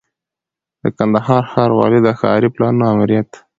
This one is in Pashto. د کندهار ښاروالۍ د ښاري پلانونو آمریت